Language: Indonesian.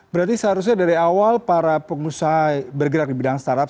berarti seharusnya dari awal para pengusaha bergerak di bidang startup